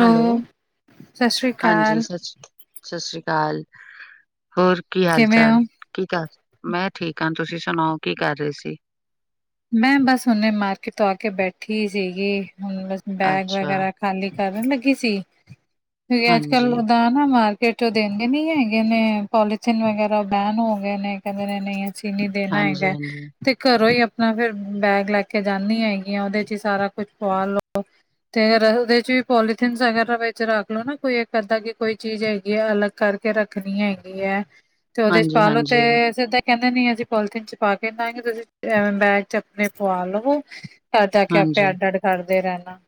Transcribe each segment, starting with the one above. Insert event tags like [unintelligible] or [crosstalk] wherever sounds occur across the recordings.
Hello, ਸਤਿ ਸ੍ਰੀ ਹਾਂਜੀ ਅਕਾਲ, ਸਤਿ ਸ਼੍ਰੀ ਅਕਾਲ। ਸਤਿ ਸ਼੍ਰੀ ਅਕਾਲ ਹੋਰ, ਕੀ ਹਾਲ ਕਿਵੇਂ ਚਾਲ? ਹੋ? ਕੀ ਕਰ, ਮੈਂ ਠੀਕ ਹਾਂ, ਤੁਸੀ ਸੁਣਾਓ ਕੀ ਕਰ ਰਹੇ ਸੀ? ਮੈਂ ਬਸ, ਹੁਣੇ ਮਾਰਕੀਟ ਤੋਂ ਆ ਕੇ ਬੈਠੀ ਸੀਗੀ, ਹੁਣ ਬਸ, ਬੈਗ ਅੱਛਾ ਵਗੈਰਾ ਖਾਲੀ ਕਰਨ ਲਗੀ ਸੀ, ਕਿਉਕਿ ਅੱਜ- ਕੱਲ, ਹਾਂਜੀ ਲ ਰਦਾਨ ਨਾ ਮਾਰਕੀਟ ਚੋਂ ਦੇਂਦੇ ਨੀ ਹੈਗੇ ਨੇ, ਪੋਲੀਥਨ ਵਗੈਰਾ ਬੈਨ ਹੋ ਗਏ ਨੇ, ਕਹਿੰਦੇ ਨੇ ਨਹੀ ਅਸੀ, ਨਹੀ ਦੇਣਾ ਹਾਂਜੀ ਹੈਗਾ, ਹਾਂਜੀ ਤੇ ਘਰੋ ਹੀ ਆਪ ਫਿਰ ਬੈਗ ਲੈ ਕੇ ਜਾਂਦੀ ਹੈਗੀ ਆਂ, ਉਹਦੇ 'ਚ ਹੀ ਸਾਰਾ ਕੁਛ ਪੁਆ ਲਉ। ਤੇ ਫਿਰ ਉਹਦੇ ਚ ਵੀ, ਪੋਲੀਥਨ ਵਗੈਰਾ ਵਿਚ ਰਖ ਲਓ, ਨਾ ਕੋਈ ਇਕ ਅੱਧਾ ਕਿ ਕੋਈ ਚੀਜ ਹੈਗੀ ਆ, ਅਲੱਗ ਕਰਕੇ ਕੇ ਰੱਖਣੀ ਹੈਗੀ ਹੈ, ਤੇ ਉਹਦੇ 'ਚ ਹਾਂਜੀ ਪਾ ਲਉ ਤੇ ਹਾਂਜੀ ਸਿੱਧਾ ਕਹਿੰਦੇ ਨਈ, ਅਸੀ ਪੋਲੀਥੀਨ 'ਚ ਪਾ ਕੇ ਨਾ, ਤੁਸੀ ਬੈਗ 'ਚ ਆਪਣੇ ਪੁਆ ਲਵੋ ਘਰ ਜਾ ਕੇ ਆਪੇ ਹਾਂਜੀ ਅੱਡ - ਅੱਡ, ਕਰਦੇ ਰਹਿਣਾ।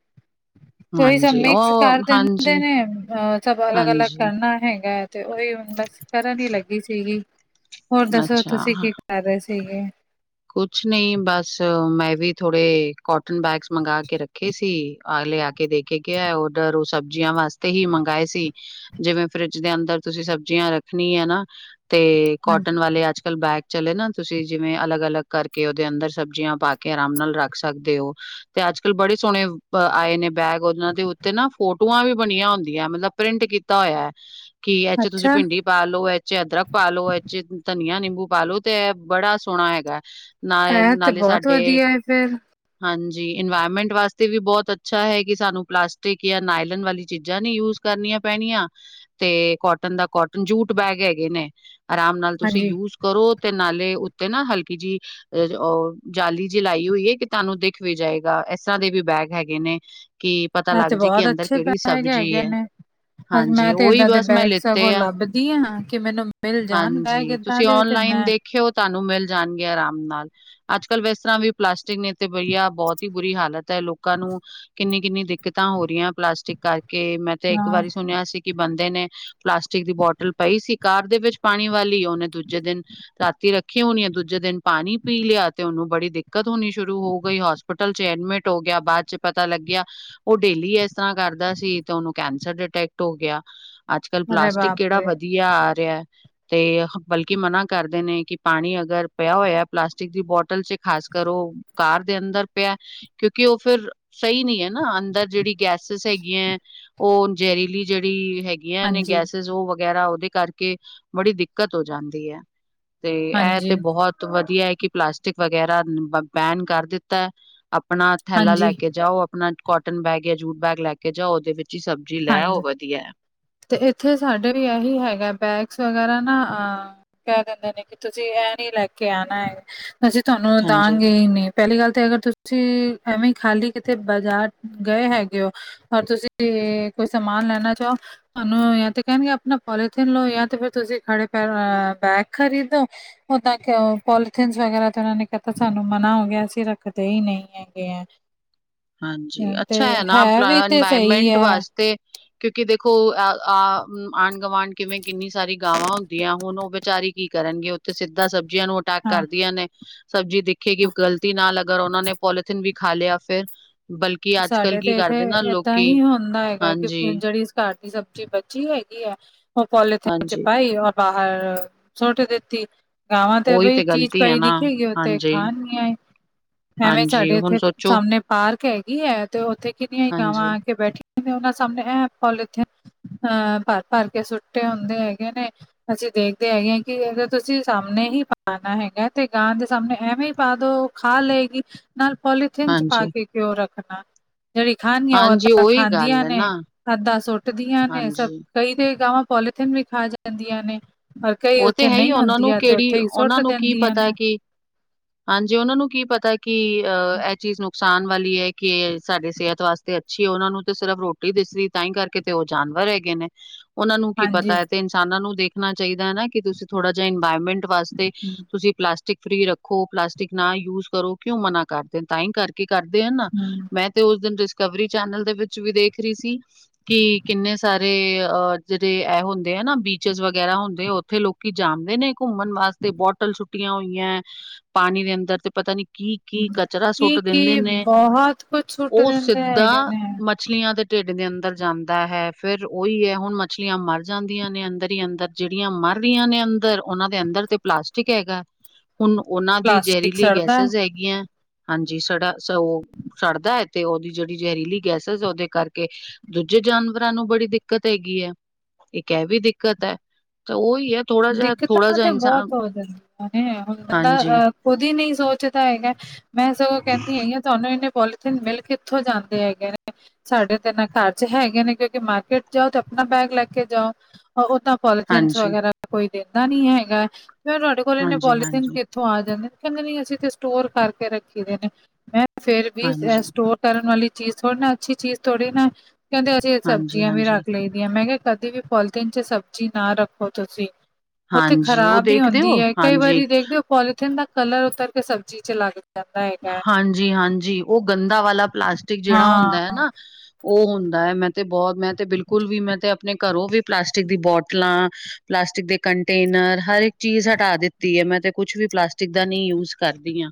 ਸਭ ਹਾਂਜੀ ਮਿਕਸ ਉਹ ਕਰ ਦਿੰਦੇ ਹਾਂਜੀ ਨੇ, ਸਭ ਅਲੱਗ - ਅਲੱਗ, ਹਾਂਜੀ ਕਰਨਾ ਹੈਗਾ। ਤੇ ਉਹੀ ਬਸ ਕਰਨ ਹੀ ਲਗੀ ਸੀ ਗੀ, ਹੋਰ ਦਸੋ ਅੱਛਾ ਤੁਸੀ ਕੀ ਕਰ ਰਹੇ ਸੀ ਗੇ? ਕੁਛ ਨਹੀ ਬਸ, ਮੈਂ ਵੀ ਥੋੜੇ ਕੋਟਨ ਬੈਗਸ ਮੰਗਵਾ ਕੇ ਰਖੇ ਸੀ, ਲਿਆ ਕੇ ਦੇਖ ਕੇ ਗਿਆ ਉਧਰ, ਉਹ ਸਬਜ਼ੀਆਂ ਵਾਸਤੇ ਹੀ ਮੰਗਵਾਏ ਸੀ। ਜਿਵੇ ਫਰਿੱਜ ਦੇ ਅੰਦਰ, ਤੁਸੀ ਸਬਜ਼ੀਆਂ ਰੱਖਣੀਆਂ ਹੈ ਨਾ ਤੇ ਹਾਂਜੀ ਕਾਟਨ ਵਾਲੇ, ਅੱਜ- ਕੱਲ ਬੈਗ ਚਲੇ ਨਾ, ਤੁਸੀ ਜਿਵੇ ਅਲੱਗ - ਅਲੱਗ ਕਰਕੇ, ਉਹਦੇ ਅੰਦਰ ਸਬਜ਼ੀਆਂ ਪਾ ਕੇ, ਆਰਾਮ ਨਾਲ ਰਖ ਸਕਦੇ ਹੋ। ਤੇ ਅੱਜ- ਕੱਲ ਬੜੇ ਸੋਹਣੇ ਆਏ ਨੇ, ਬੈਗ ਉਹਨਾਂ ਦੇ ਉਤੇ ਨਾ ਫੋਟੂਆਂ ਵੀ ਬਣੀਆਂ ਹੁੰਦੀਆਂ ਮਤਲਬ ਪ੍ਰਿੰਟ ਕੀਤਾ ਹੋਇਆ ਹੈ, ਕਿ ਇਹ ਚ ਤੁਸੀਂ ਅੱਛਾ ਭਿੰਡੀ ਪਾ ਲਉ ਇਹ ਚ ਅਦਰਕ ਪਾ ਲਉ ਇਹ ਚ ਧਨੀਆ, ਨਿੰਬੂ ਪਾ ਲਉ ਤੇ ਏ ਬੜਾ ਸੋਹਣਾ ਹੈਗਾ। ਨਾ ਏ, ਇਹ ਤੇ ਨਾਲੇ ਬਹੁਤ ਸਾਡੇ ਵਧੀਆ ਹੈ ਫਿਰ ਹਾਂਜੀ, ਇਨਵਾਇਰਮੈਂਟ ਵਾਸਤੇ ਵੀ ਬਹੁਤ ਅੱਛਾ ਹੈ, ਕਿ ਸਾਨੂੰ ਪਲਾਸਟਿਕ ਜਾਂ ਨਾਇਲਨ ਵਾਲੀ ਚੀਜ਼ਾਂ ਨੀ ਯੂਜ ਕਰਨੀਆਂ ਪੈਣੀਆਂ, ਤੇ ਕੋਟਨ ਦਾ ਕੋਟਨ, ਜੂਟ ਬੈਗ ਹੈਗੇ ਨੇ। ਆਰਾਮ ਨਾਲ ਤੁਸੀਂ ਹਾਂਜੀ ਯੂਜ ਕਰੋ, ਤੇ ਨਾਲੇ ਉੱਤੇ ਨਾ ਹਲਕੀ ਜੀ ਅ ਉਹ ਜਾਲੀ ਜੀ ਲਾਈ ਹੋਈ ਹੈ, ਕਿ ਤੁਹਾਨੂੰ ਦਿੱਖ ਵੀ ਜਾਏਗਾ, ਇਸ ਤਰ੍ਹਾਂ ਦੇ ਵੀ ਬੈਗ ਹੈਗੇ ਨੇ। ਕੀ ਪਤਾ ਇਹ ਲੱਗ ਤੇ ਜੇ, ਬਹੁਤ ਕਿ ਅੰਦਰ ਅੱਛੇ ਕਿਹੜੀ ਬੈਗ ਸਬਜ਼ੀ ਹੈਗੇ ਐ। ਨੇ ਅੱਜ ਹਾਂਜੀ, ਮੈਂ ਤੇ ਉਹੀ ਏਦਾਂ ਦੇ ਬਸ ਮੈਂ ਬੈਗ ਸਗੋਂ ਲਿੱਤੇ ਆ, ਲੱਭਦੀ ਹਾਂ ਕਿ ਮੈਨੂੰ ਮਿਲ ਜਾਣ ਬੈਗ ਹਾਂਜੀ, ਏਦਾਂ ਤੁਸੀਂ ਦੇ ਤੇ ਓਨਲਾਈਨ ਮੈਂ ਦੇਖ ਖਿਓ, ਉਹ ਤੁਹਾਨੂੰ ਮਿਲ ਜਾਣਗੇ ਆਰਾਮ ਨਾਲ, ਅੱਜ -ਕੱਲ ਇਸ ਤਰ੍ਹਾਂ ਵੀ ਪਲਾਸਟਿਕ ਨੇ ਤੇ ਬਈਆ, ਬਹੁਤ ਹੀ ਬੁਰੀ ਹਾਲਤ ਹੈ, ਲੋਕਾਂ ਨੂੰ ਕਿੰਨੀ- ਕਿੰਨੀ ਦਿੱਕਤਾਂ ਹੋ ਰਹੀਆਂ, ਪਲਾਸਟਿਕ ਕਰਕੇ, ਮੈਂ ਤੇ ਇੱਕ ਹਾਂ ਵਾਰੀ ਸੁਣਿਆ ਸੀ। ਕਿ ਬੰਦੇ ਨੇ, ਪਲਾਸਟਿਕ ਦੀ ਬੌਟਲ ਪਈ ਸੀ ਕਾਰ ਦੇ ਵਿੱਚ ਪਾਣੀ ਵਾਲੀ, ਉਹਨੇ ਦੂਜੇ ਦਿਨ ਰਾਤੀ ਰੱਖੀ ਹੋਣੀ ਐ, ਦੂਜੇ ਦਿਨ ਪਾਣੀ ਪੀ ਲਿਆ, ਤੇ ਉਹਨੂੰ ਬੜੀ ਦਿੱਕਤ ਹੋਣੀ ਸ਼ੁਰੂ ਹੋ ਗਈ, ਹੋਸਪਿਟਲ ਚ ਐਡਮਿਟ ਹੋ ਗਿਆ, ਬਾਅਦ ਚ ਪਤਾ ਲੱਗਿਆ ਉਹ ਡੇਲੀ ਇਸ ਤਰ੍ਹਾਂ ਕਰਦਾ ਸੀ, ਤੇ ਉਹਨੂੰ ਕੈਂਸਰ ਡਿਟੈਕਟ ਹੋ ਗਿਆ। ਅੱਜ- ਕੱਲ੍ਹ, ਅਰੇ ਪਲਾਸਟਿਕ ਬਾਪ ਕਿਹੜਾ ਰੇ ਵਧੀਆ। ਵਧੀਆ ਆ ਰਿਹਾ, ਤੇ ਬਲਕਿ ਮਨਾ ਕਰਦੇ ਨੇ, ਕਿ ਪਾਣੀ ਅਗਰ ਪਿਆ ਹੋਇਆ ਪਲਾਸਟਿਕ ਦੀ ਬੋਤਲ ਚ, ਖਾਸ ਕਰ ਉਹ ਕਾਰ ਦੇ ਅੰਦਰ ਪਿਆ ਕਿਉਂਕਿ, ਉਹ ਫਿਰ ਸਹੀ ਨਹੀਂ ਐ ਨਾ, ਅੰਦਰ ਜਿਹੜੀ ਗੈਸਿਸ ਹੈਗੀਆਂ, ਉਹ ਜ਼ਹਿਰੀਲੀ ਜਿਹੜੀ ਹੈਗੀਆਂ ਨੇ ਹਾਂਜੀ, ਗੈਸਿਸ, ਉਹ ਵਗੈਰਾ ਉਹਦੇ ਕਰਕੇ ਕੇ ਬੜੀ ਦਿੱਕਤ ਹੋ ਜਾਂਦੀ ਐ, ਤੇ ਇਹ ਤੇ ਹਾਂਜੀ, ਬਹੁਤ ਵਧੀਆ ਹੈ, ਕਿ ਪਲਾਸਟਿਕ ਵਗੈਰਾ ਬੈਨ ਕਰ ਦਿੱਤਾ ਐ। ਆਪਣਾ ਥੈਲਾ ਲੈ ਹਾਂਜੀ, ਕੇ ਜਾਓ, ਆਪਣਾ ਕੋਟਨ ਬੈਗ ਜਾਂ ਜੂਟ ਬੈਗ ਲੈ ਕੇ ਜਾਓ, ਉਹਦੇ ਵਿੱਚ ਹੀ ਸਬ- ਜੀ, ਲੈ ਹਾਂਜੀ। ਆਓ ਵਧੀਆ। ਤੇ, ਇੱਥੇ ਸਾਡੇ ਵੀ ਇਹੀ ਹੈਗਾ, ਬੈਗਸ ਵਗੈਰਾ ਨਾ ਅ ਕਹਿ ਦਿੰਦੇ ਨੇ, ਕਿ ਤੁਸੀਂ ਐ ਨੀ ਲੈ ਕੇ ਆਣਾ ਐ, ਅਸੀਂ ਤੁਹਾਨੂੰ ਹਾਂਜੀ ਦਾਂਗੇ ਹੀ ਨਹੀਂ। ਪਹਿਲੀ ਗੱਲ ਤੇ ਅਗਰ ਤੁਸੀਂ ਐਵੇਂ ਖਾਲੀ ਕਿਤੇ ਬਾਜ਼ਾਰ ਗਏ ਹੈਗੇ ਹੋ ਔਰ ਤੁਸੀਂ ਕੋਈ ਸਮਾਨ ਲੈਣਾ ਚਾਹੋ ਤੁਹਾਨੂੰ ਜਾਂ ਤੇ ਕਹਿਣਗੇ ਆਪਣਾ ਪੋਲੀਥੀਨ ਲਓ, ਜਾਂ ਤੇ ਫਿਰ ਤੁਸੀਂ ਖੜੇ ਪੈਰ ਬੈਗ ਖ਼ਰੀਦੋ। ਉਹ ਤਾਂ ਆਖਿਓ ਪੋਲੀਥੀਨਜ਼ ਵਗੈਰਾ ਤੇ ਉਹਨਾਂ ਨੇ ਕਿਹਤਾ ਸਾਨੂੰ ਮਨਾ ਹੋ ਗਿਆ, ਅਸੀਂ ਰੱਖਦੇ ਹੀ ਨਹੀਂ ਐ। ਹੈਗੇ ਐ। ਹਾਂਜੀ ਅੱਛਾ ਹੈ ਨਾ ਵੀ ਤੇ ਸਹੀ ਇਨਵਾਇਰਮੈਂਟ ਹੈ ਵਾਸਤੇ, ਕਿਉਂਕਿ ਦੇਖੋ ਅ ਆ ਹ ਆਂਢ ਗਵਾਂਢ ਕਿਵੇਂ ਕਿੰਨੀ ਸਾਰੀ ਗਾਵਾਂ ਹੁੰਦੀਆਂ, ਹੁਣ ਉਹ ਵਿਚਾਰੀ ਕੀ ਕਰਨਗੇ, ਉੱਥੇ ਸਿੱਧਾ ਸਬਜ਼ੀਆਂ ਨੂੰ ਅਟੈਕ ਹਾਂ ਕਰਦੀਆਂ ਨੇ ਸਬਜ਼ੀ ਦੇਖੇਗੀ, ਗਲਤੀ ਨਾਲ ਅਗਰ ਉਹਨਾਂ ਨੇ ਪੋਲੀਥੀਨ ਵੀ ਖਾ ਲਿਆ ਫੇਰ ਸਾਡੇ ਤੇ ਇੱਥੇ ਏਦਾਂ ਲੋਕੀ ਹੀ ਹੁੰਦਾ ਹੈਗਾ, ਕਿ ਹਾਂਜੀ ਜਿਹੜੀ ਘਰ ਦੀ ਸਬਜ਼ੀ ਬਚੀ ਹੈਗੀ ਐ, ਉਹ ਪੋਲੀਥੀਨ ਚ ਹਾਂਜੀ ਪਾਈ ਔਰ ਬਾਹਰ ਸੁੱਟ ਦਿੱਤੀ। ਗਾਵਾਂ ਤੇ ਉਹੀ ਬਈ ਚੀਜ਼ ਗ਼ਲਤੀ ਹੈ ਪਾਈ ਨਾ ਦਿਖੇਗੀ, ਉਥੇ ਹਾਂਜੀ ਖਾਣਗੀਆਂ ਈ। ਐਵੇਂ ਹਾਂਜੀ ਸਾਡੇ ਹੁਣ ਇੱਥੇ ਸੋਚੋ ਸਾਹਮਣੇ ਪਾਰਕ ਹੈਗੀ ਐ, ਤੇ ਉੱਥੇ ਕਿੰਨੀਆਂ ਹੀ ਗਾਵਾਂ ਹਾਂਜੀ ਆ ਕੇ ਬੈਠੀਆਂ। ਉਹਨਾਂ ਸਾਹਮਣੇ ਇਹ ਪੋਲੀਥਿਨ ਅਹ ਭਰ- ਭਰ ਕੇ ਸੁੱਟੇ ਹੁੰਦੇ ਹੈਗੇ ਨੇ। ਅਸੀਂ ਦੇਖਦੇ ਹੈਗੇ ਆਂ ਕਿ ਅਰ ਤੁਸੀਂ ਸਾਹਮਣੇ ਹੀ ਪਾਣਾ ਹੈਗਾ ਤੇ ਗਾਂ ਦੇ ਸਾਹਮਣੇ ਐਵੇਂ ਹੀ ਪਾ ਦੋ। ਖਾ ਲਏਗੀ, ਨਾਲ ਪੋਲੀਥੀਨ ਚ ਪਾ ਹਾਂਜੀ ਕੇ ਕਿਉਂ ਰੱਖ ਜਿਹੜੀ ਖਾਣੀ ਆ ਉਹ ਹਾਂਜੀ ਅੱਧਾ ਉਹੀ ਗੱਲ ਖਾਂਦੀਆਂ ਹੈ ਨੇ, ਨਾ ਅੱਧਾ ਸੁੱਟਦੀਆਂ ਨੇ, ਸਭ ਹਾਂਜੀ ਕਈ ਤੇ ਗਾਵਾਂ ਪੋਲੀਥੀਨ ਵੀ ਖਾ ਜਾਂਦੀਆਂ ਨੇ। ਔਰ ਕਈ ਉਹ ਤੇ ਉੱਥੇ ਹੈ ਹੀ, ਨਹੀਂ ਉਹਨਾਂ ਨੂੰ ਹੁੰਦੀਆਂ ਤੇ ਕਿਹੜੀ ਉੱਥੇ ਹੀ ਸੁੱਟ ਉਹਨਾਂ ਨੂੰ ਕੀ ਦਿੰਦੀਆਂ ਪਤਾ ਨੇ ਕਿ ਹਾਂਜੀ, ਉਹਨਾਂ ਨੂੰ ਕੀ ਪਤਾ ਕਿ ਅਹ ਇਹ ਚੀਜ਼ ਨੂੰ ਨੁਕਸਾਨ ਵਾਲੀ ਐ, ਕਿ ਸਾਡੇ ਸਿਹਤ ਵਾਸਤੇ ਅੱਛੀ ਐ, ਉਹਨਾਂ ਨੂੰ ਤੇ ਸਿਰਫ ਰੋਟੀ ਦਿਸਦੀ ਤਾਂਹੀ ਕਰਕੇ ਕਿਤੇ ਉਹ ਜਾਨਵਰ ਹੈਗੇ ਨੇ, ਉਹਨਾਂ ਨੂੰ ਕੀ ਹਾਂਜੀ ਪਤਾ ਤੇ ਇਨਸਾਨਾਂ ਨੂੰ ਦੇਖਣਾ ਚਾਹੀਦਾ ਹੈ ਨਾ। ਕਿ ਤੁਸੀਂ ਥੋੜਾ ਜਿਹਾ ਇਨਵਾਇਰਮੈਂਟ ਵਾਸਤੇ ਹੂੰ ਤੁਸੀਂ ਪਲਾਸਟ ਟਿਕ ਫਰੀ ਰੱਖੋ ਪਲਾਸਟਿਕ ਨਾ ਯੂਸ ਕਰੋ ਕਿਉਂ ਮਨਾ ਕਰਦੇ ਤਾਂ ਈ ਕਰਦੇ ਕੀ ਕਰਦੇ ਆ ਨਾ ਹੂੰ। ਮੈਂ ਤੇ ਉਸ ਦਿਨ ਡਿਸਕਵਰੀ ਚੈਨਲ ਦੇ ਵਿੱਚ ਵੀ ਦੇਖ ਰੀ ਸੀ ਕਿ ਕਿੰਨੇ ਸਾਰੇ ਅ ਜੇਰੇ ਏ ਹੁੰਦੇ ਆ ਨਾ ਬੀਚਿਸ ਵਗੈਰਾ ਹੁੰਦੇ ਉੱਥੇ ਲੋਕੀ ਜਾਂਦੇ ਨੇ ਘੁੰਮਨ ਵਾਸਤੇ ਬੋਟਲ ਸੁੱਟੀਆਂ ਹੋਈ ਏ ਪਾਣੀ ਦੇ ਅੰਦਰ ਤੇ ਪਤਾ ਨੀ ਕੀ, ਕੀ ਕਚਰਾ ਸੁੱਟ ਦਿੰਦੇ ਕੀ-ਕੀ ਨੇ ਬਹੁਤ ਕੁਝ ਸੁੱਟ ਉ ਦਿੰਦੇ ਸਿੱਧਾ ਹੈਗੇ ਨੇ ਮਛਲੀਆਂ ਦੇ ਪੇਟ ਦੇ ਅੰਦਰ ਜਾਂਦਾ ਹੈ ਫੇਰ ਉਈ ਏ ਹੁਣ ਮਛਲੀਆਂ ਮਰ ਜਾਂਦੀਆਂ ਨੇ ਅੰਦਰ ਈ ਅੰਦਰ ਜੇੜੀਆਂ ਮਰ ਰੀਆਂ ਨੇ ਅੰਦਰ ਓਨਾਂ ਦੇ ਅੰਦਰ ਤੇ ਪਲਾਸਟਿਕ ਹੈਗੇ ਹੁਣ ਉਨਾਂ ਦੀ ਪਲਾਸਟਿਕ ਜ਼ਹਰੀਲੀ ਸੜਦਾ ਗੈਸਿਸ ਹੈਗੀਆਂ ਹਾਂਜੀ ਸੜਾ [unintelligible] ਸ ਉਹ ਛੜਦਾ ਏ ਤੇ ਉਦੀ ਜਿਹੜੀ ਜ਼ਹਿਰੀਲੀ ਗੈਸਿਸ ਓਦੇ ਕਰਕੇ ਦੂਜੇ ਜਾਨਵਰਾਂ ਨੂੰ ਬੜੀ ਦਿੱਕਤ ਹੈਗੀ ਏ ਇੱਕ ਏ ਵੀ ਦਿੱਕਤ ਏ ਤਾਂ ਓਈ ਏ ਦਿੱਕਤਾਂ ਤੇ ਬਹੁਤ [unintelligible] ਹੋ ਜਾਂਦੀਆਂਲ ਹਾਂਜੀ-ਹਾਂਜੀ, ਅਹ ਖੁਦ ਹੀ ਨੀ ਸੋਚਦਾ ਹੈਗੇ ਮੈਂ ਸਗੋਂ ਕਹੰਦੀ ਹੈਗੀ ਤੁਹਾਨੂੰ ਏਨੇ ਪੋਲੀਥੀਨ ਮਿਲ ਕਿੱਥੋਂ ਜਾਂਦੇ ਹੈਗੇ ਨੇ ਸਾਡੇ ਤਿੰਨ ਕਾਰਰ ਚ ਹੈਗੇ ਨੇ ਕਿਉਂਕਿ ਮਾਰਕੀਟ ਜਾਓ ਤੇ ਆਪਣਾ ਬੈਗ ਲੈ ਕੇ ਜਾਓ ਉਹਾਂ ਪੋਲੀਤੀਸਂ ਹਾਂਜੀ-ਹਾਂਜੀ, ਹਾਂਜੀ। ਵਗੈਰਾ ਕੋਈ ਦਿੰਦਾ ਨੀ ਹੈਗਾ ਫੇਰ ਤੁਹਾਡੇ ਕੋਲ ਇਹਨੇ ਹਾਂਜੀ ਪੋਲੀਥਨ ਇੱਥੋਂ ਆ ਜਾਂਦੇ ਕਹੰਦੇ ਨੀ ਅਸੀਂ ਤੇ ਸਟੋਰ ਕਰਕੇ ਰੱਖੀ ਦੇ ਨੇ ਮੈਂ ਫੇਰ ਵੀ ਏ ਹਾਂਜੀ ਸਟੋਰ ਕਰਨ ਵਾਲੀ ਚੀਜ਼ ਥੋੜ੍ਹੀ ਨਾ ਅੱਛੀ ਚੀਜ਼ ਥੋੜ੍ਹੀ ਨਾ ਕਹੰਦੇ ਅਸੀਂ ਹਾਂਜੀ, ਸਬਜ਼ੀਆਂ ਵੀ ਹਾਂਜੀ। ਰੱਖ ਲਈ ਮੈਂ ਕਿਆ ਕਦੇ ਵੀ ਪੋਲਥੀਨ ਚ ਸਬਜ਼ੀ ਨਾ ਰੱਖੋ ਤੁਸੀਂ ਓ ਤੇ ਹਾਂਜੀ, ਉਹ ਖ਼ਰਾਬ ਈ ਦੇਖਦੇ ਹੁੰਦੀ ਹੋ? ਏ ਕਈ ਹਾਂਜੀ, ਵਾਰੀ ਦੇਖਦੇ ਓ ਪੋਲੀਥੀਨ ਦਾ ਕਲਰ ਉਤਰ ਕੇ ਸਬਜ਼ੀ ਚ ਲੱਗ ਜਾਂਦਾ ਹੈਗੇ ਜੀ ਹਾਂਜੀ ਉ ਗੰਦਾ ਵਾਲਾ ਪਲਾਸਟਿਕ ਜੇੜਾ ਹਾਂ ਹੁੰਦਾ ਏ ਨਾ ਉਹ ਹੁੰਦਾ ਏ ਮੈਂ ਤੇ ਬੋਹਤ ਮੈਂ ਤੇ ਬਿਲਕੁਲ ਵੀ ਮੈਂ ਤੇ ਆਪਣੇ ਘਰੋਂ ਵੀ ਪਲਾਸਟਿਕ ਦੀ ਬੋਟਲਾਂ ਪਲਾਸਟਿਕ ਦੇ ਕੰਟੇਨਰ ਹਰ ਏਕ ਚੀਜ਼ ਹਟਾ ਦਿੱਤੀ ਏ ਮੈਂ ਤੇ ਕੁਛ ਵੀ ਪਲਾਸਟਿਕ ਦਾ ਨੀ ਯੂਜ ਕਰਦੀ ਆ।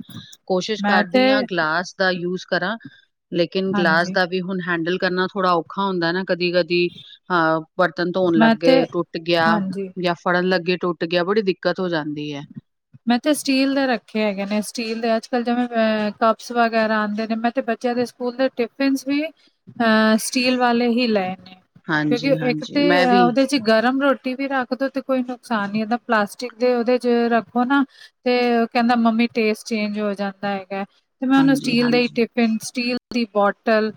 ਕੋਸ਼ਿਸ਼ ਮੈਂ ਤੇ ਕਰਦੀ ਆ ਗਲਾਸ ਦਾ ਯੂਸ ਕਰਾਂ ਲੇਕਿਨ ਗਲਾਸ ਹਾਂਜੀ ਦਾ ਵੀ ਹੁਣ ਹੈਂਡਲ ਕਰਨਾ ਥੋੜਾ ਔਖਾ ਹੁੰਦਾ ਨਾ ਕਦੀ ਕਦੀ ਅ ਬਰਤਨ ਧੋਣ ਮੈਂ ਤੇ ਲੱਗੇ ਟੁੱਟ ਗਿਆ ਹਾਂਜੀ, ਯਾ ਫੜਨ ਲੱਗੇ ਟੁੱਟ ਗਿਆ ਬੜੀ ਦਿੱਕਤ ਹੋ ਜਾਂਦੀ ਏ ਮੈਂ ਤੇ ਸਟੀਲ ਦੇ ਰੱਖੇ ਹੈਗੇ ਨੇ ਸਟੀਲ ਦੇ ਅੱਜ ਕੱਲ੍ਹ ਜਿਵੇਂ ਕੱਪਸ ਵਗੈਰਾ ਆਂਦੇ ਨੇ ਮੈਂ ਤੇ ਬੱਚਿਆਂ ਦੇ। ਸਕੂਲ ਦੇ ਟਿਫਿਨਸ ਵੀ। ਹਾਂ ਸਟੀਲ ਵਾਲੇ ਹੀ ਲਏ ਨੇ ਕਿਉਂਕਿ ਇੱਕ ਹਾਂਜੀ-ਹਾਂਜੀ ਤੇ ਮੈਂ ਵੀ ਉਹਦੇ। ਗਰਮ ਰੋਟੀ ਵੀ ਰੱਖ ਦੋ ਤੇ ਕੋਈ ਨੁਕਸਾਨ ਨੀ ਦਾ ਪਲਾਸਟਿਕ ਦੇ ਉਹਦੇ ਚ ਰੱਖ। ਉਹ ਨਾ ਤੇ ਕਹਿੰਦਾ ਮੰਮੀ ਟੇਸਟ ਚੇਂਜ ਹੋ ਜਾਂਦਾ ਹੈਗੇ। ਤੇ ਮੈਂ ਉਹਨੂੰ ਸਟੀਲ ਦੇ ਹਾਂਜੀ-ਹਾਂਜੀ। ਟਿਫਿਨ ਸਟੀਲ ਦੀ ਬੋਟਲ।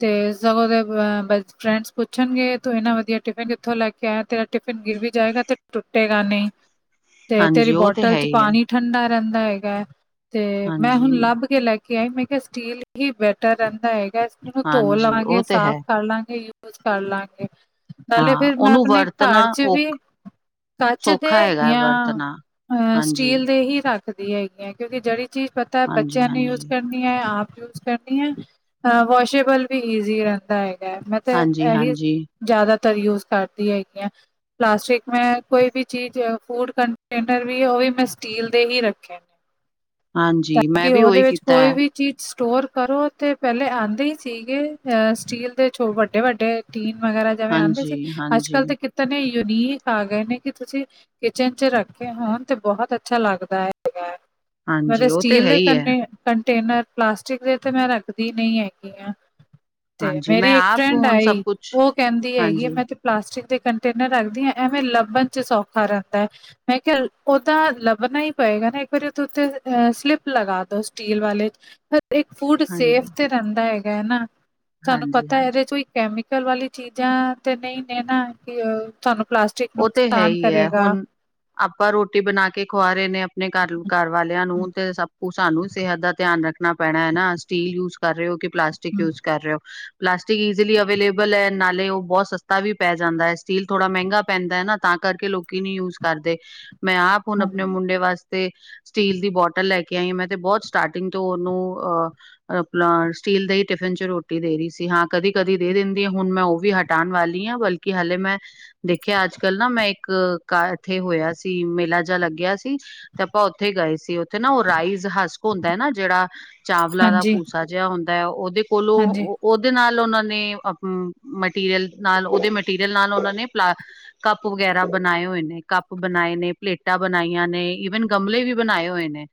ਤੇ ਸਗੋਂ ਉਦੇ ਬੈਸਟ ਫਰੈਂਡਸ ਪੁੱਛਣਗੇ ਤੂੰ ਇੰਨਾ ਵਧੀਆ ਟਿਫਿਨ ਕਿੱਥੋਂ ਲੈ ਕੇ। ਕਿਹਾ ਤੇਰਾ ਟਿਫਨ ਗਿਰ ਵੀ ਜਾਏਗਾ ਤੇ ਟੁਟੇਗਾ ਨਈ। ਤੇਰੀ ਹਾਂਜੀ ਹਾਂਜੀ ਉਹ ਤੇ ਬੋਟਲ ਹੈ ਚ ਹੀ ਹੈ ਪਾਣੀ ਠੰਡਾ ਰਹਿੰਦਾ ਹੈਗਾ ਤੇ ਮੈਂ ਹਾਂਜੀ। ਹੁਣ ਲੱਭ ਕੇ ਲੈ ਕੇ ਲੈ। ਕਿਆ ਮੈਂ ਕਿਆ ਸਟੀਲ ਕੀ ਬੈਟਰ ਰਹਿੰਦਾ ਹੈਗੇ ਇਸਨੂੰ ਧੋ ਹਾਂਜੀ ਉਹ ਲਵਾਂਗੇ ਤੇ ਹੈ ਸਾਫ਼ ਕਰ ਲਾਂਗੇ। ਕੁਛ ਕਰ ਲਾਂਗੇ। ਹਾਂ ਨਾਲੇ ਫਿਰ ਮੈਂ ਉਹਨੂੰ ਆਪਣੇ ਵਰਤਣਾ ਘਰ ਚ ਔ ਵੀ ਕੱਚ ਦੇ ਸੌਖਾ ਹੈਗਾ ਯਾ। ਵਰਤਣਾ ਅ ਸਟੀਲ ਦੇ ਹੀ ਰੱਖਦੀ ਹੈਗੀ ਆ ਕਿਉਂਕਿ ਜਿਹੜੀ ਚੀਜ਼ ਪਤਾ ਬੱਚਿਆਂ ਨੇ ਹਾਂਜੀ-ਹਾਂਜੀ-ਹਾਂਜੀ। ਯੂਸ ਕਰ। ਆਪ ਯੂਜ ਕਰਨੀ ਆ ਤਾਂ ਵਾਸ਼ੇਬਲ ਵੀ ਇਜ਼ੀ ਰਹਿੰਦਾ ਹੈਗਾ ਹੈ ਮੈ। ਤੇ ਹਾਂਜੀ-ਹਾਂਜੀ, ਇਹੀ। ਹਾਂਜੀ ਹਾਂਜੀ ਜਿਆਦਾਤਰ ਯੂਜ ਕਰਦੀ ਹੈਗੀਆਂ ਪਲਾਸਟਿਕ ਮੈਂ ਕੋਈ ਵੀ ਚੀਜ਼ ਫੂਡ। ਕੰਟੇਨਰ ਵੀ ਉਹੀ ਮੈਂ ਸਟੀਲ ਦੇ ਹੀ ਰੱਖੇ ਨੇ। ਹਾਂਜੀ ਮੈਂ ਕਿ ਵੀ ਉਹਦੇ ਉਹੀ ਵਿੱਚ ਕੀਤੇ। ਕੋਈ ਵੀ ਚੀਜ਼ ਸਟੋਰ ਕਰੋ ਤੇ ਪਹਿਲੇ ਆਂਦੇ ਹੀ ਸੀਗੇ ਸਟੀਲ ਦੇ ਚੋ ਵੱਡੇ ਵੱਡੇ। ਟੀਨ ਵਗੈਰਾ ਜਿਵੇਂ ਆਂਦੇ ਸੀ ਹਾਂਜੀ-ਹਾਂਜੀ। ਅੱਜ ਹਾਂਜੀ ਕੱਲ ਤੇ। ਤਾ ਯੂਨੀਕ ਆ ਗਏ ਨੇ ਕਿ ਤੁਸੀਂ ਕਿਚਨ ਚ ਰੱਖ। ਤੇ ਹਾਂ ਤੇ ਬੋਹਤ ਅੱਛਾ ਲੱਗਦਾ ਹੈਗੇ ਮੈ ਤੇ ਹਾਂਜੀ ਉਹ ਸਟੀਲ ਹੈ ਦੇ ਹੀ ਹੈ ਕਰਨੇ। ਕੰਟੇਨਰ ਪਲਾਸਟਿਕ ਦੇ ਤੇ ਮੈਂ ਰੱਖਦੀ ਨਈ ਹੈਗੀ ਆ। ਤੇ ਹਾਂਜੀ ਮੈਂ ਮੇਰੀ ਇੱਕ ਆਪ ਫਰੈਂਡ ਹੁਣ ਸਭ ਆਈ ਕੁਛ ਉਹ ਕਹਿੰਦੀ ਹੈਗੀ ਹਾਂਜੀ-ਹਾਂਜੀ। ਮੈਂ ਤੇ। ਪਲਾਸਟਿਕ ਦੇ ਕੰਟੇਨਰ ਰੱਖਦੀ ਹੈ ਐਵੇਂ ਲੱਭਣ ਚ ਸੌਖਾ ਰਹਿੰਦਾ ਹੈ। ਮੈਂ ਕਿਹਾ ਉਹਦਾ ਲੱਭਣਾ ਹੀ ਪਏਗਾ ਨਾ ਇੱਕ ਵਾਰੀ ਓਥੇ ਅ ਸਲਿੱਪ ਲਗਾ ਦੋ ਸਟੀਲ ਵਾਲੇ। ਇੱਕ ਫੂਡ ਸੇਫ ਤੇ ਰਹਿੰਦਾ ਹੈਗਾ ਹਨਾ ਤੁਹਾਨੂੰ ਪਤਾ ਇਹਦੇ ਹਾਂਜੀ-ਹਾਂਜੀ। ਚ। ਕੈਮੀਕਲ ਵਾਲੀ ਚੀਜ਼ਾਂ ਤੇ ਨਹੀਂ ਨੇਨਾ। ਕਿ ਤੁਹਾਨੂੰ ਪਲਾਸਟਿਕ ਉਹ ਤੇ ਹੈ ਨੁਕਸਾਨ ਹੀ ਹੈ ਕਰੇਗਾ। ਹੁਣ ਆਪਾਂ ਰੋਟੀ ਬਣਾ ਕੇ ਖੁਆ ਰਹੇ ਨੇ। ਆਪਣੇ ਘਰ ਘਰਵਾਲਿਆਂ ਨੂੰ ਤੇ ਸਭ ਕੁ ਸਾਨੂੰ ਸਿਹਤ ਦਾ ਧਿਆਨ ਰੱਖ। ਰੱਖਣਾ ਪੈਣਾ ਹੈ ਨਾ ਸਟੀਲ ਯੂਜ ਕਰ ਰਹੇ ਹੋ ਕਿ ਪਲਾਸਟਿਕ ਯੂਜ ਕਰ ਰਹੇ ਹੋ। ਪਲਾਸਟਿਕ ਈਜ਼ੀਲੀ ਅਵੇਲੇਬਲ ਹੈ ਨਾਲੇ ਉਹ ਬਹੁਤ ਸਸਤਾ ਵੀ ਪੈ ਜਾਂਦਾ ਹੈ ਸਟੀਲ ਥੋੜ੍ਹਾ ਮਹਿੰਗਾ। ਪੈਂਦਾ ਹੈ ਨਾ ਤਾਂ ਕਰਕੇ ਲੋਕੀ ਨੀ ਯੂਜ ਕਰਦੇ ਮੈਂ ਆਪ ਹੁਣ ਆਪਣੇ ਮੁੰਡੇ ਵਾਸਤੇ। ਤੇ ਸਟੀਲ ਦੀ ਬੋਟਲ ਲੈ ਕੇ ਆਈ ਹਾਂ ਮੈਂ ਤੇ ਬਹੁਤ ਸਟਾਰਟਿੰਗ ਤੋਂ ਉਹਨੂੰ ਅਹ। ਆਪਣਾ ਸਟੀਲ ਦੇ ਹੀ ਟਿਫਿਨ ਚ ਰੋਟੀ ਦੇ ਰਹੀ ਸੀ ਹਾਂ ਕਦੀ-ਕਦੀ ਦੇ ਦਿੰਦੀ ਆ ਹੁਣ ਮੈਂ ਉਹ ਵੀ ਹੱਟ। ਹਟਾਣ ਵਾਲੀ ਹਾਂ ਬਲਕਿ ਹਲੇੇ ਮੈਂ। ਦੇਖਿਆ ਅੱਜ ਕੱਲ ਨਾ ਮੈਂ ਇੱਕ। ਕਾ ਇੱਥੇ ਹੋਇਆ ਸੀ ਮੇਲਾ ਜਿਹਾ ਲੱਗਿਆ ਸੀ। ਤੇ ਆਪਾਂ ਉੱਥੇ ਹੀ ਗਏ ਸੀ ਉੱਥੇ ਨਾ ਉਹ ਰਾਈਜ਼ ਹਸਕ ਹੁੰਦਾ ਨਾ ਜਿਹੜਾ। ਚਾਵਲਾ ਦਾ ਹਾਂਜੀ ਭੂਸਾ ਜਿਹਾ ਹੁੰਦਾ ਹੈ ਉਹਦੇ ਕੋਲੋਂ ਹਾਂਜੀ ੳ। ਉਹਦੇ ਨਾਲ ਉਹਨਾਂ ਨੇ ਅ ਮਟੀਰੀਅਲ ਨਾਲ ਉਹਦੇ ਮਟੀਰੀਅਲ ਨਾਲ ਉਹਨਾਂ ਨੇ ਪਲਾ। ਕੱਪ ਵਗੈਰਾ ਬਣਾਏ ਹੋਏ ਨੇ ਕੱਪ ਬਣਾਏ ਨੇ ਪਲੇਟਾਂ ਬਣਾਈਆਂ ਨੇ ਈਵਨ ਗਮਲੇ ਵੀ ਬਣਾਏ ਹੋਏ ਨੇ।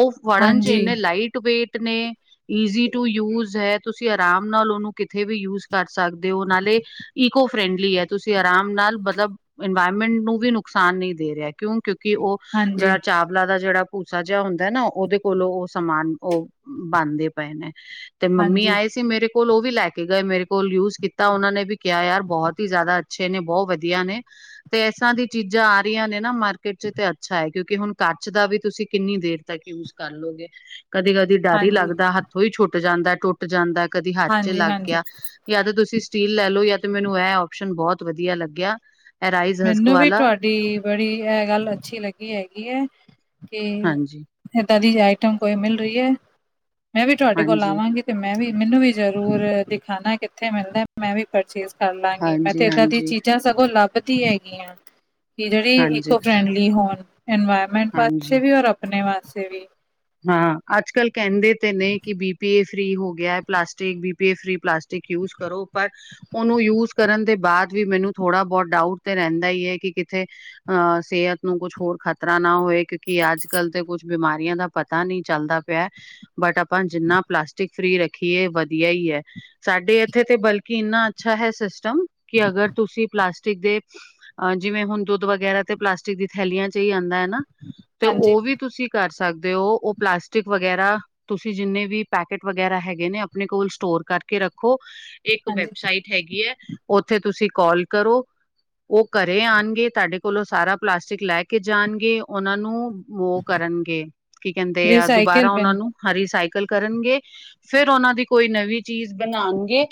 ਉਹ ਫੜਨ ਚ ਹਾਂਜੀ ਹਾਂਜੀ ਇੰਨੇ ਲਾਈਟ ਵੇਟ ਨੇ। ਈਜ਼ੀ ਟੂ ਯੂਜ ਹੈ। ਤੁਸੀਂ ਆਰਾਮ ਨਾਲ ਉਹਨੂੰ ਕਿਥੇ ਵੀ ਯੂਜ ਕਰ ਸਕਦੇ ਹੋ ਨਾਲੇ। ਇਕੋ ਫਰੈਂਡਲੀ ਹੈ ਤੁਸੀਂ। ਆਰਾਮ ਨਾਲ ਮਤਲਬ ਇਨਵਾਇਰਮੈਂਟ ਨੂੰ ਵੀ ਨੁਕਸਾਨ ਨਹੀਂ ਦੇ ਰਿਹਾ ਕਿਉਂ ਕਿਉਂਕਿ ਉਹ। ਹਾਂਜੀ ਜਿਹੜਾ ਚਾਵਲਾ ਦਾ ਜਿਹੜਾ। ਭੂਸਾ ਜਿਹਾ ਹੁੰਦਾ ਨਾ ਉਹਦੇ ਕੋਲੋਂ ਉਹ ਸਮਾਨ ਉਹ ਬਣਦੇ ਪਏ ਨੇ। ਤੇ ਮੰਮੀ ਹਾਂਜੀ ਆਏ ਸੀ ਮੇਰੇ ਕੋਲ ਉਹ ਵੀ ਲੈ ਕੇ ਗਏ ਮੇਰੇ ਕੋਲ ਯੂਜ ਕੀਤਾ ਉਹਨਾਂ ਨੇ ਵੀ ਕਿਹਾ ਯਾਰ ਬਹੁਤ ਹੀ ਜ਼ਿਆਦਾ। ਅੱਛੇ ਨੇ, ਬੋ ਵਦੀਆ ਨੇ, ਤੇ ਇਸਸ੍ਹਾਂ ਦੀ ਚੀਜ਼ਾਂ ਆ ਰਈਆਂ ਨੇ ਨਾ ਮਾਰਕੀਟ ਚ, ਤੇ ਅੱਛਾ ਹੈ, ਕਿਉਂਕਿ ਹੁਣ ਕਾਚ ਦਾ ਵੀ ਤੁਸੀਂ ਕਿੰਨੀ ਦੇਰ ਤੱਕ ਯੂਜ਼ ਕਰ ਲੋਗੇ? ਕਦੀ-ਕਦੀ ਡਰ ਈ ਹਾਂਜੀ ਲੱਗਦਾ ਹੱਥ ਥੋਂ ਈ ਛੁੱਟ ਜਾਂਦਾ, ਟੁੱਟ ਜਾਂਦਾ, ਕਦੀ ਹੱਥ ਚ ਹਾਂਜੀ ਲੱਗ ਹਾਂਜੀ ਗਿਆ। ਯਾ ਤੇ ਤੁਸੀਂ ਸਟੀਲ ਲੈ ਲੋ, ਯਾ ਤੇ ਮੈਨੂੰ ਏਹ ਔਪਸ਼ਨ ਬੋਹੋਤ ਵਦੀਆ ਲੱਗਿਆ। ਰਾਈਸ ਹਸਕ ਮਨੂੰ ਵੀ ਵਾਲਾ ਤੁਆਡੀ ਬੜੀ ਏਹ ਗੱਲ ਅੱਛੀ ਲੱਗੀ ਹੈਗੀ ਏ। ਕੇ, ਹਾਂਜੀ, ਏਦਾਂ ਦੀ ਆਈਟਮ ਕੋਈ ਮਿਲ ਰਈ ਐ, ਮੈਂ ਵੀ ਤੁਆਡੇ ਕੋਲ ਹਾਂਜੀ, ਆਵਾਂਗੀ। ਤੇ ਮੈਂ ਵੀ, ਮੈਨੂੰ ਵੀ ਜਰੂਰ ਦਿਖਾਣਾ ਕਿੱਥੇ ਮਿਲਦਾ ਏ? ਮੈਂ ਵੀ ਪਰਚੇਸ ਕਰ ਲਾਂਗੀ, ਮੈਂ ਹਾਂਜੀ, ਤੇ ਏਦਾਂ ਦੀ ਹਾਂਜੀ, ਚੀਜ਼ਾਂ ਸਗੋਂ ਲੱਬਦੀ ਹੈਗੀ ਆਂ। ਕਿ ਜੇਹੜੀ ਹਾਂਜੀ, ਇਕੋ ਫਰੈਂਡਲੀ ਹੋਣ, ਇਨਵਾਇਰਮੈਂਟ ਹਾਂਜੀ। ਵਾਸਤੇ ਵੀ, ਔਰ ਆਪਣੇ ਵਾਸਤੇ ਵੀ। ਹਾਂ, ਅੱਜ ਕੱਲ ਕੈਂਦੇ ਤੇ ਨੇ, ਕਿ ਬੀ ਪੀ ਏ ਫਰੀ ਹੋ ਗਿਆ, plastic B P A free plastic use ਕਰੋ ਪਰ ਔਨੂੰ ਯੂਜ਼ ਕਰਨ ਦੇ ਬਾਦ ਵੀ, ਮੈਨੂੰ ਥੋੜ੍ਹਾ ਬੋਤ ਡਾਊਟ ਤੇ ਰਹਿੰਦਾ ਈ ਏ ਕਿ ਕਿੱਥੇ ਹਾਂ ਸੇਹਤ ਨੂੰ ਕੁਛ ਹੋਰ ਖ਼ਤਰਾ ਨਾ ਹੋਏ, ਕਿਉਂਕਿ ਆਜ ਕੱਲ ਤੇ ਕੁਛ ਬਿਮਾਰੀਆਂ ਦਾ ਪਤਾ ਨਈ ਚੱਲਦਾ ਪੇਆ, ਬਟ ਆਪਾਂ ਜਿੰਨਾ ਪਲਾਸਟਿਕ ਫਰੀ ਰੱਖੀਏ, ਵਧੀਆ ਈ ਐ। ਸਾਡੇ ਏਥੇ ਤੇ ਬਲਕਿ ਇੰਨਾ ਅੱਛਾ ਹੈ ਸਿਸਟਮ, ਕਿ ਅਗਰ ਤੁਸੀਂ ਪਲਾਸਟਿਕ ਦੇ ਅਹ ਜਿਵੇਂ ਹੁਣ ਦੁੱਧ ਵਗੈਰਾ ਤੇ ਪਲਾਸਟਿਕ ਦੀ ਥੈਲੀਆਂ ਚ ਈ ਆਂਦਾ ਐ ਨਾ, ਤੇ ਹਾਂਜੀ ਔਹ ਵੀ ਤੁਸੀਂ ਕਰ ਸਕਦੇ ਔ, ਔਹ ਪਲਾਸਟਿਕ ਵਗੈਰਾ ਤੁਸੀਂ ਜਿੰਨੇ ਵੀ ਪੈਕੇਟ ਵਗੈਰਾ ਹੈਗੇ ਨੇ, ਆਪਣੇ ਕੋਲ ਸਟੋਰ ਕਰਕੇ ਰੱਖੋ, ਇੱਕ ਹਾਂਜੀ ਵੈਬਸਾਈਟ ਹੈਗੀ ਐ, ਔਥੇ ਤੁਸੀਂ ਕੋਲ ਕਰੋ। ਔਹ ਘਰੇ ਆਣਗੇ, ਤਾਡੇ ਕੋਲੋਂ ਸਾਰਾ ਪਲਾਸਟਿਕ ਲੈ ਕੇ ਜਾਣਗੇ, ਉਹਨਾਂ ਨੂੰ ਵੋ ਕਰਨਗੇ, ਕੀ ਕਹਿੰਦੇ ਆ? ਰੀਸਾਈਕਲ ਦੁਬਾਰਾ ਔਨਾਂ ਬਿਨ ਨੂੰ ਹਰੀਸਾਈਕਲ ਕਰਨਗੇ। ਫੇਰ ਔਨਾਂ ਦੀ ਕੋਈ ਨਵੀਂ ਚੀਜ਼ ਬਣਾਨਗੇ।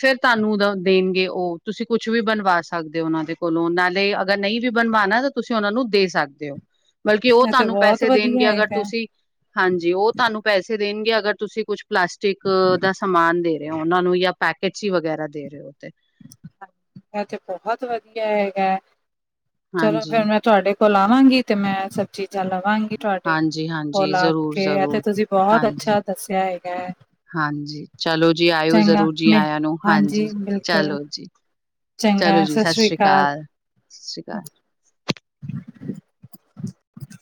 ਫੇਰ ਤਾਨੂੰ ਦ ਦੇਣਗੇ ਔਹ, ਤੁਸੀਂ ਕੁਛ ਵੀ ਬਣਵਾ ਸਕਦੇ ਔ ਔਨਾਂ ਦੇ ਕੋਲੋਂ, ਨਾਲੇ ਅਗਰ ਨਈ ਵੀ ਬਣਵਾਣਾ, ਤੇ ਤੁਸੀਂ ਔਨਾਂ ਨੂੰ ਦੇ ਸਕਦੇ ਔ, ਬਲਕਿ ਔਹ ਇਹ ਤੇ ਤਾਨੂੰ ਬਹੁਤ ਪੈਸੇ ਵਧੀਆ ਦੇਣਗੇ ਅਗਰ ਹੈਗਾ ਕਿ ਹਾਂਜੀ, ਔਹ ਤਾਨੂੰ ਪੈਸੇ ਦੇਣਗੇ, ਅਗਰ ਤੁਸੀਂ ਕੁਛ ਪਲਾਸਟਿਕ ਦਾ ਸਮਾਨ ਦੇ ਔਹਨਾਂ ਨੂੰ ਯਾ ਪੈਕੇਚ ਈ ਵਗੈਰਾ ਦੇ ਰਏ ਔ ਤੇ। ਹਾਂ, ਏਹ ਤੇ ਬੋਹੋਤ ਵਦੀਆ ਹੈਗਾ ਐ, ਚਲੋ ਹਾਂਜੀ ਫਿਰ ਮੈਂ ਤੁਆਡੇ ਕੋਲ ਆਵਾਂਗੀ, ਤੇ ਮੈਂ ਸਬ ਚੀਜ਼ਾਂ ਲਵਾਂਗੀ। ਤੁਆਡੇ ਹਾਂਜੀ-ਹਾਂਜੀ, ਕੋਲ ਆ ਕੇ, ਏਹ ਤੇ ਜ਼ਰੂਰ-ਜ਼ਰੂਰ। ਤੁਸੀਂ ਬੋਹੋਤ ਅੱਛਾ ਦੱਸੇਆ ਹੈਗਾ ਏ। ਹਾਂਜੀ, ਚਲੋ ਜੀ ਆਏਓ ਜ਼ਰੂਰ, ਜੀ ਮੈਂ ਆਇਆ ਨੂੰ, ਹਾਂਜੀ। ਬਿਲਕੁਲ ਚਲੋ ਜੀ, ਚਲੋ ਚੰਗਾ ਜੀ ਸਤਿ ਸ੍ਰੀ ਸ਼੍ਰੀ ਅਕਾਲ ਕਾਲ, ਸਤਿ ਸ਼੍ਰੀ ਕਾਲ। [inaudible]